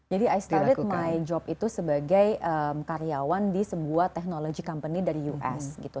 jadi saya mulai kerja itu sebagai karyawan di sebuah teknologi company dari us gitu